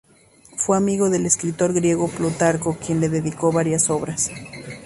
Fue amigo del escritor griego Plutarco, quien le dedicó varias obras.